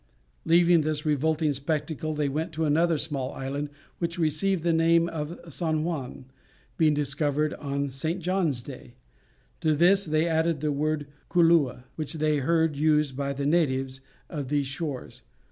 Leaving this revolting spectacle, they went to another small island, which received the name of San Juan, being discovered on St. John's Day; to this they added the word Culua, which they heard used by the natives of these shores.